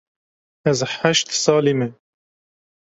Ez heşt salî me.